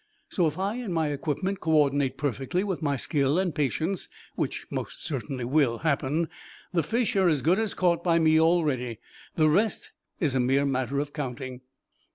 So, if I and my equipment coordinate perfectly with my skill and patience, which most certainly will happen, the fish are as good as caught by me already. The rest is a mere matter of counting."